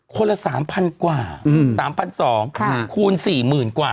คนละ๓๐๐กว่า๓๒๐๐คูณ๔๐๐๐กว่า